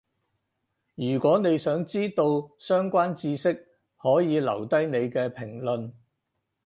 如果你想知到相關智識，可以留低你嘅評論